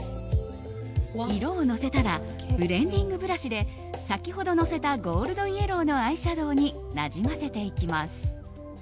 色をのせたらブレンディングブラシで先ほどのせたゴールドイエローのアイシャドーになじませていきます。